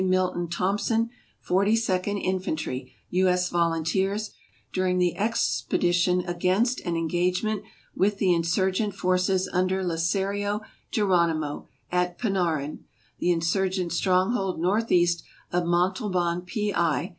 Milton Thompson, Forty second Infantry, U. S. Volunteers, during the expe dition against and engagement with the insurgent forces under Licerio Geronimo, at Pinauran, the insurgent stronghold northeast of Montalbon, P. I.